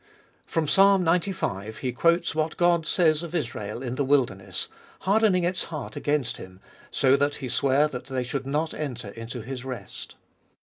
From Ps. xcv. he quotes what God says of Israel in the wilderness, hardening its heart against Him, so that He sware that they should not enter into His rest.